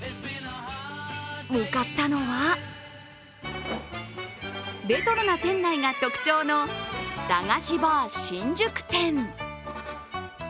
向かったのはレトロな店内が特徴の駄菓子バー新宿店。